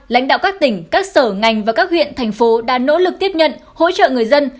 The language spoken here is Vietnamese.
lãnh đạo các tỉnh các sở ngành và các huyện thành phố đã nỗ lực tiếp nhận hỗ trợ người dân